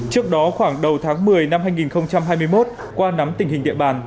trước đó khoảng đầu tháng một mươi năm hai nghìn hai mươi một qua nắm tình hình địa bàn